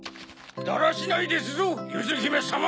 だらしないですぞゆずひめさま。